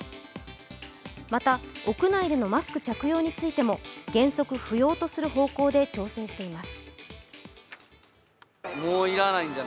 また、屋内でのマスク着用についても原則不要とする方向で調整しています。